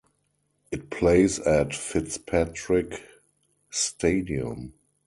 It plays at Fitzpatrick Stadium.